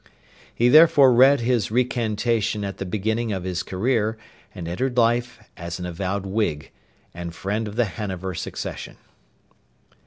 He therefore read his recantation at the beginning of his career, and entered life as an avowed Whig and friend of the Hanover succession.